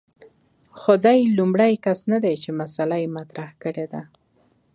خو دی لومړنی کس نه دی چې مسأله مطرح کړې ده.